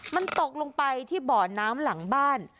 มันตกลงไปที่บ่อน้ำหลังบ้าน